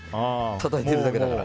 たたいてるだけだから。